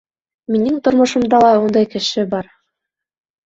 Минең тормошомда ла ундай кеше бар.